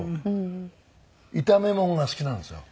炒め物が好きなんですよ。